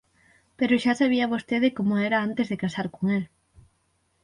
Pero xa sabía vostede como era antes de casar con el.